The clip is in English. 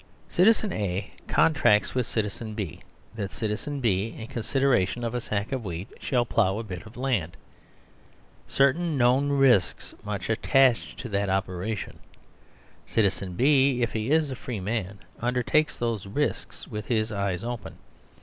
Citizen A contracts with citizen B that citizen B, in consideration of a sack of wheat, shall plough a bit of land. Certain known risks must attach to that operation. Citizen B, if he is a free man, undertakes those risks with his eyes open.